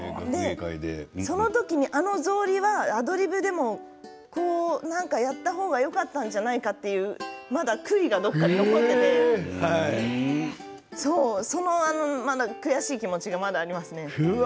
その時に、あの草履はアドリブでも何かやった方がよかったんじゃないかという悔いがまだ残っていてその悔しい気持ちがまだありますね。